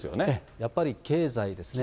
やっぱり経済ですね。